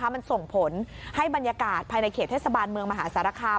มันส่งผลให้บรรยากาศภายในเขตเทศบาลเมืองมหาสารคาม